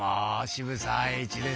渋沢栄一です。